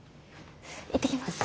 行ってきます。